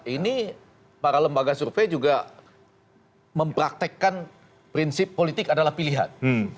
ini para lembaga survei juga mempraktekkan prinsip politik adalah pilihan